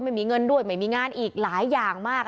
ไม่มีเงินด้วยไม่มีงานอีกหลายอย่างมาก